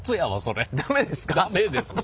ダメですか？